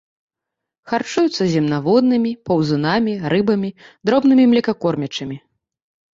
Харчуюцца земнаводнымі, паўзунамі, рыбамі, дробнымі млекакормячымі.